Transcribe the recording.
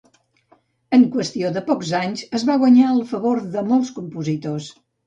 En qüestió de pocs anys es va guanyar el favor de molts compositors.